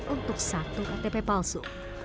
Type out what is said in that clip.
untuk satu ktp palsu